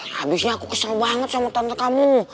habisnya aku kesel banget sama tante kamu